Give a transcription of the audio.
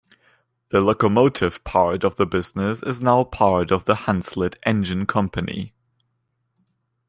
The locomotive part of the business is now part of the Hunslet Engine Company.